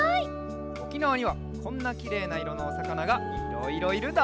おきなわにはこんなきれいないろのおさかながいろいろいるんだ！